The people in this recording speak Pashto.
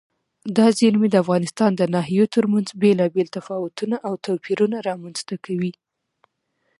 دا زیرمې د افغانستان د ناحیو ترمنځ بېلابېل تفاوتونه او توپیرونه رامنځ ته کوي.